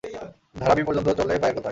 ধারাবি পর্যন্ত চলে বাইয়ের কথায়।